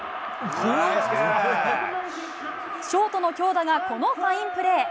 ショートの京田がこのファインプレー。